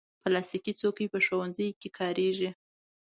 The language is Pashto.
پلاستيکي چوکۍ په ښوونځیو کې کارېږي.